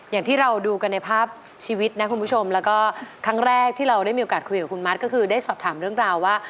อย่างที่เราดูกันในภาพชีวิตนะคุณผู้ชมแล้วก็ครั้งแรกที่เราได้มีโอกาสคุยกับคุณมัดก็คือได้สอบถามเรื่องราวว่า